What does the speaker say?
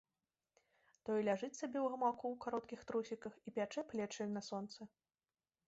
Той ляжыць сабе ў гамаку ў кароткіх трусіках і пячэ плечы на сонцы.